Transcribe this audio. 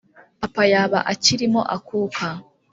papa yaba akirimo akuka